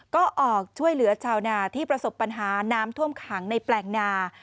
ก็ออกช่วยเหลือชาวนาที่ประสบปัญหาน้ำท่วมขังในแปลงนา